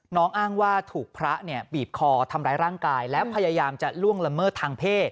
อ้างว่าถูกพระเนี่ยบีบคอทำร้ายร่างกายและพยายามจะล่วงละเมิดทางเพศ